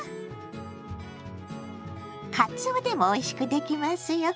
「かつお」でもおいしくできますよ。